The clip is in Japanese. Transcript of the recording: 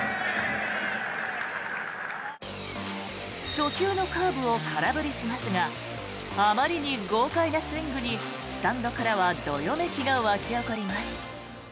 初球のカーブを空振りしますがあまりに豪快なスイングにスタンドからはどよめきが沸き起こります。